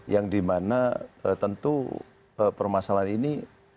yang dimana tentu permasalahan ini